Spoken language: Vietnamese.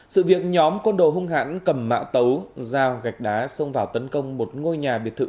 sự việc nhóm con đồ hung hãng cầm mạo tấu dao gạch đá xông vào tấn công một ngôi nhà biệt thự